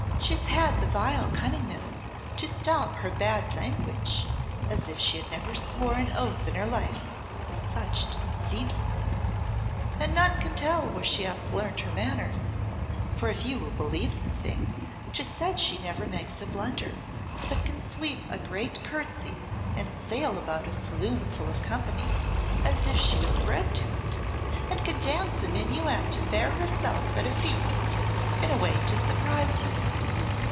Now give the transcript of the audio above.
She has had the vile cunningness to stop her bad langwidg, as if she had never swore an oath in her life (such deseatfulness!). And none can tell where she hath learned her manners, for if you will beleave the thing, 'tis said she never makes a blunder, but can sweep a great curtsey and sail about a saloon full of company as if she was bred to it, and can dance a minuet and bear herself at a feast in a way to surprise you.